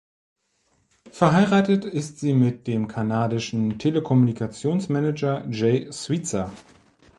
Verheiratet ist sie mit dem kanadischen Telekommunikations-Manager Jay Switzer.